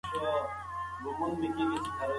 د ابن خلدون فلسفې د علم په بنسټونو کي بدلون راوستی دی.